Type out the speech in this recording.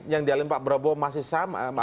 yang dialih pak brobo masih sama